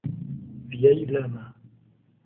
Vieille lame